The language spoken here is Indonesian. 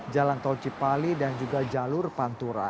jalan tol cipali dan juga jalur pantura